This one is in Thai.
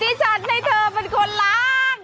ผิดที่ฉันให้เธอเป็นคนล้าง